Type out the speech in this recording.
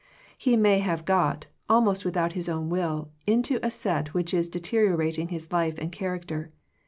He may have got, almost without his own will, into a set which is deteriorating his life and character.